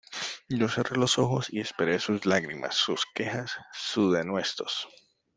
yo cerré los ojos y esperé sus lágrimas, sus quejas , sus denuestos